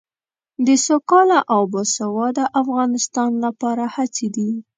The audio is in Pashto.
د سوکاله او باسواده افغانستان لپاره هڅې دي.